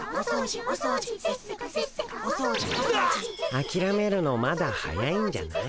あきらめるのまだ早いんじゃない？